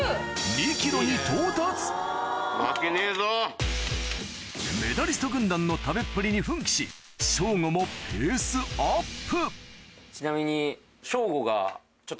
２ｋｇに到達メダリスト軍団の食べっぷりに奮起しショーゴもペースアップちなみに。